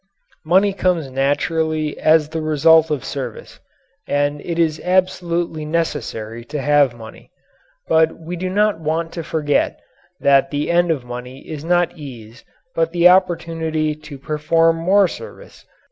Money comes naturally as the result of service. And it is absolutely necessary to have money. But we do not want to forget that the end of money is not ease but the opportunity to perform more service.